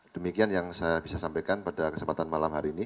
demikian yang saya bisa sampaikan pada kesempatan malam hari ini